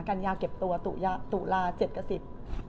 กันยาเก็บตัวตุลา๗กับ๑๐